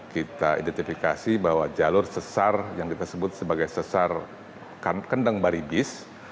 kita identifikasi bahwa jalur sesar yang kita sebut sebagai sesar kendeng baribis